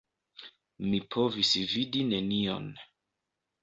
Mi povis vidi nenion.